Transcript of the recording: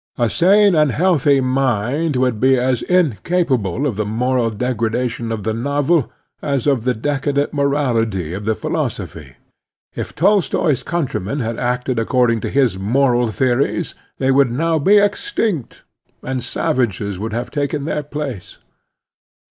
A sane and healthy mind would be as incapable of the moral degradation of the novel as of the decadent morality of the philosophy. If Tolstoi's country 38 The Strenuoo* Life men had acted according to his moral theories they wotdd now be extinct, and savages would have taken their place.